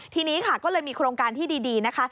ทีนี้ค่ะก็เลยมีโครงการที่ดีนะคะ